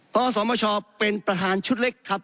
สมชเป็นประธานชุดเล็กครับ